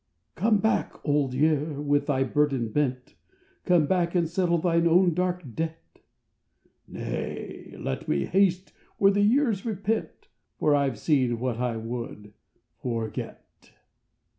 " Come back, Old Year, with thy burden bent. Come back and settle thine own dark debt." " Nay, let me haste where the years repent, For I ve seen what I would forget."